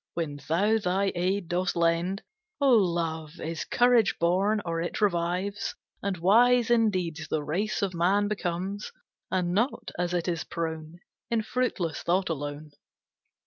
When thou thy aid dost lend, O Love, is courage born, or it revives; And wise in deeds the race of man becomes, And not, as it is prone, In fruitless thought alone.